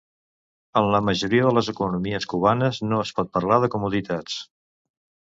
En la majoria de les economies cubanes no es pot parlar de comoditats.